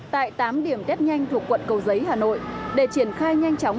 tại tám điểm test nhanh thuộc quận cầu giấy hà nội để triển khai nhanh chóng